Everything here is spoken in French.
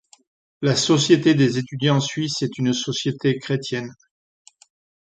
La Société des étudiants suisses est une société chrétienne.